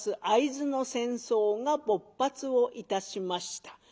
会津の戦争が勃発をいたしました。